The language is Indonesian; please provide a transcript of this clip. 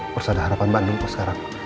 terus ada harapan bandung kok sekarang